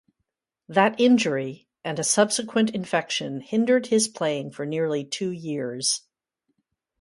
That injury and a subsequent infection hindered his playing for nearly two years.